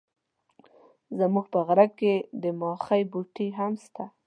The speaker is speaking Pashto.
زموږ په غره کي د ماخۍ بوټي هم سته.